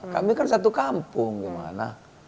kami kan satu kampung gimana